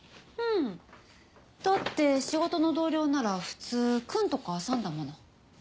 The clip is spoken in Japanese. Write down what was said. うんだって仕事の同僚なら普通「くん」とか「さん」だもの。